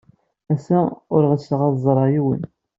Ass-a, ur ɣseɣ ad ẓreɣ yiwen.